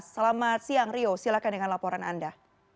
selamat siang rio silakan dengan laporan anda